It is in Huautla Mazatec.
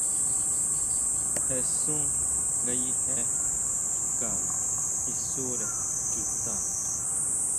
Jesún ngayije xka isure chuta.